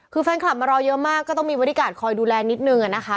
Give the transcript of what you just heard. คือแฟนคลับมารอเยอะมากก็ต้องมีบริการคอยดูแลนิดนึงอะนะคะ